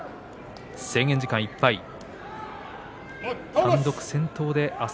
制限時間いっぱいです。